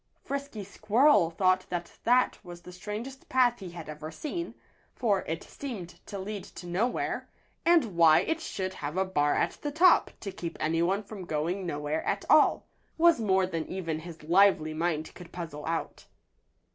Frisky Squirrel thought that that was the strangest path he had ever seen, for it seemed to lead to nowhere, and why it should have a bar at the top, to keep anyone from going nowhere at all, was more than even his lively mind could puzzle out.